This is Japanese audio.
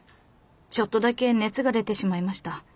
ちょっとだけ熱が出てしまいました。